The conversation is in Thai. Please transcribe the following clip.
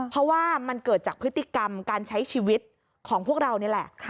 เพราะว่ามันเกิดจากพฤติกรรมการใช้ชีวิตของพวกเรานี่แหละ